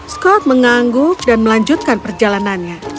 scott mengangguk dan melanjutkan perjalanannya